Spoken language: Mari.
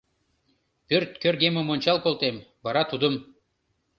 Пӧрткӧргемым ончал колтем, вара — тудым.